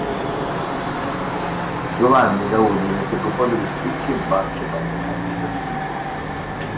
Giovanni da Udine si occupò degli stucchi e Baccio Bandinelli delle sculture.